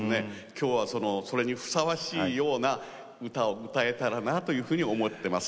今日はそれにふさわしいような歌を歌えたらなというふうに思ってます。